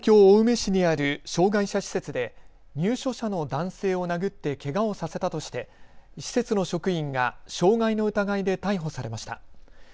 青梅市にある障害者施設で入所者の男性を殴ってけがをさせたとして施設の職員が傷害の疑いで逮捕されました。